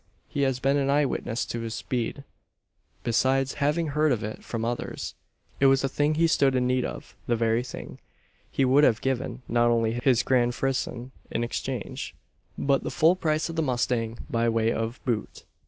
He had been an eye witness to its speed, besides having heard of it from others. It was the thing he stood in need of the very thing. He would have given, not only his "grand frison" in exchange, but the full price of the mustang by way of "boot."